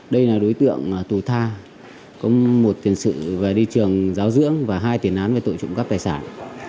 đây là đối tượng tù tha có một tiền sự về đi trường giáo dưỡng và hai tiền án về tội trộm cắp tài sản